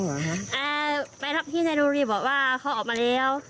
แม่ทัพที่ในนุรีบอกว่าเขาออกมาแล้ว